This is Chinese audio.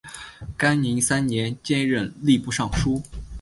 干宁三年兼任吏部尚书。